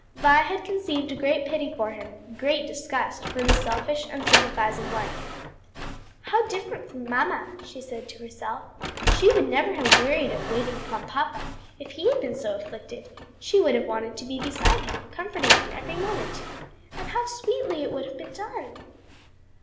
Vi had conceived a great pity for him, great disgust for the selfish, unsympathizing wife. "How different from mamma!" she said to herself. "She never would have wearied of waiting upon papa if he had been so afflicted; she would have wanted to be beside him, comforting him every moment. And how sweetly it would have been done."